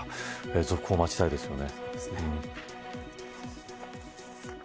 続報を待ちたいですよね。